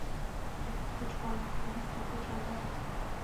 لږ وروسته چوپړوال په زینو کې راپورته شو او راغی.